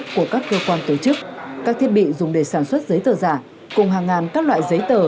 của các cơ quan tổ chức các thiết bị dùng để sản xuất giấy tờ giả cùng hàng ngàn các loại giấy tờ